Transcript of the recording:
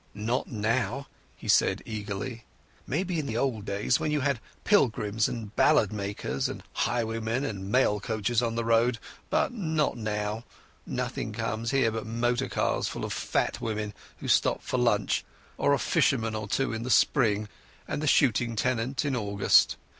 "Not now," he said eagerly. "Maybe in the old days when you had pilgrims and ballad makers and highwaymen and mail coaches on the road. But not now. Nothing comes here but motor cars full of fat women, who stop for lunch, and a fisherman or two in the spring, and the shooting tenants in August.